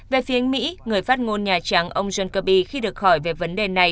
về phía mỹ người phát ngôn nhà trắng ông john kirby khi được hỏi về vấn đề này